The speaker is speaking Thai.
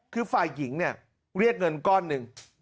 คือฝ่ายหญิงเนี่ยเรียกเงินก้อนหนึ่ง